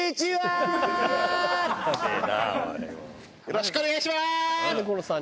よろしくお願いします！